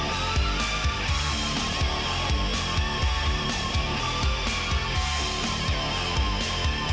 โปรดติดตามตอนต่อไป